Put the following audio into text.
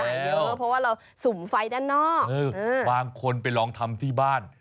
เพราะว่าเราสุ่มไฟด้านนอกบางคนไปลองทำที่บ้าน